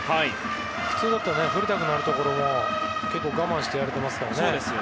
普通だったら振りたくなるところも結構、我慢してやれてますね。